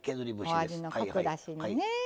お味のコク出しにね。